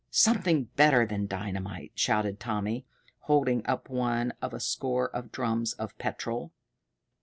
"Something better than dynamite," shouted Tommy, holding up one of a score of drums of petrol!